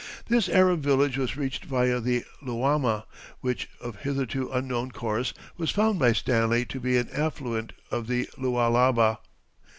This Arab village was reached via the Luama, which, of hitherto unknown course, was found by Stanley to be an affluent of the Lualaba.